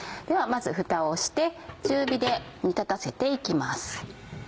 ではまずフタをして中火で煮立たせて行きます。